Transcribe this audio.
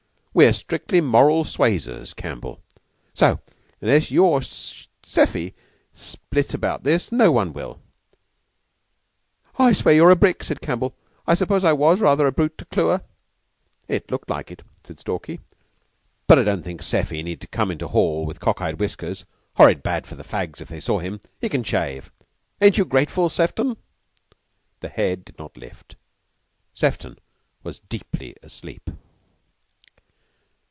We're strictly moral suasers, Campbell; so, unless you or Seffy split about this, no one will." "I swear you're a brick," said Campbell. "I suppose I was rather a brute to Clewer." "It looked like it," said Stalky. "But I don't think Seffy need come into hall with cock eye whiskers. Horrid bad for the fags if they saw him. He can shave. Ain't you grateful, Sefton?" The head did not lift. Sefton was deeply asleep.